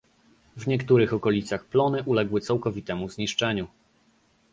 W niektórych okolicach plony uległy całkowitemu zniszczeniu